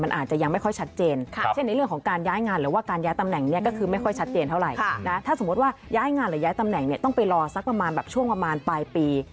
มันอาจจะยังไม่ค่อยชัดเจนครับเช่นในเรื่องของการย้ายงานหรือว่าการย้ายตำแหน่งเนี้ยก็คือไม่ค่อยชัดเจนเท่าไหร่